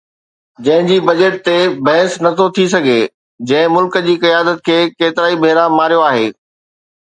جنهن جي بجيٽ تي بحث نه ٿو ٿي سگهي، جنهن ملڪ جي قيادت کي ڪيترائي ڀيرا ماريو آهي